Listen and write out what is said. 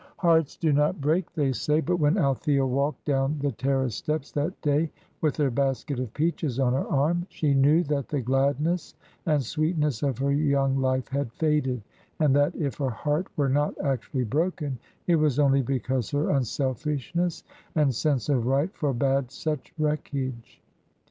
Hearts do not break, they say; but when Althea walked down the terrace steps that day, with her basket of peaches on her arm, she knew that the gladness and sweetness of her young life had faded, and that, if her heart were not actually broken, it was only because her unselfishness and sense of right forbade such wreckage.